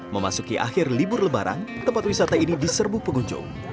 memasuki akhir libur lebaran tempat wisata ini diserbu pengunjung